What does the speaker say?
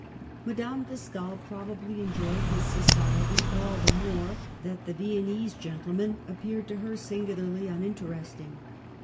Madame de Stael probably enjoyed his soci ety all the more that the Viennese gentlemen appeared to her singularly uninteresting.